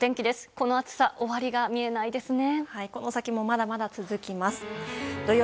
この暑さ終わりが見えないですね。